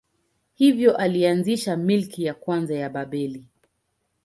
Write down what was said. Hivyo alianzisha milki ya kwanza ya Babeli.